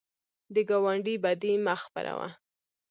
د ګاونډي بدي مه خپروه